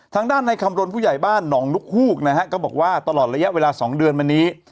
ทางด้านในคำรณผู้ใหญ่บ้านหนองนกฮูกนะฮะก็บอกว่าตลอดระยะเวลา๒เดือนมานี้